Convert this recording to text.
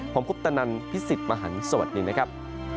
ผมคุปตนันพี่สิทธิ์มหันฯสวัสดีนะครับ